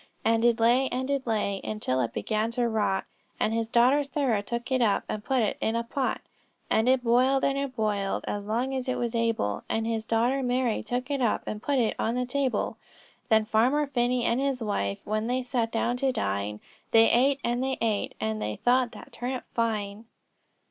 'And it lay, and it lay, Until it began to rot; And his daughter Sarah took it up, And put it in a pot. 'And it boiled, and it boiled, As long as it was able; And his daughter Mary took it up, And put it on the table. 'Then Farmer Phinney and his wife, When they sat down to dine, They ate, and they ate, And they thought that turnip fine.'"